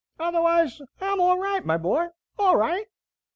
Otherwise I'm all right, my boy, all right."